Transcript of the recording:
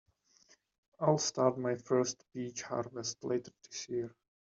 I'll start my first peach harvest later this year.